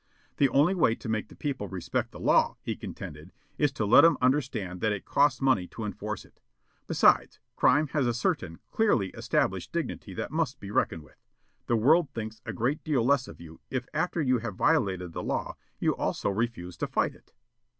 The only way to make the people respect the law, he contended, is to let 'em understand that it costs money to enforce it. Besides, crime has a certain, clearly established dignity that must be reckoned with. The world thinks a great deal less of you if after you have violated the law, you also refuse to fight it.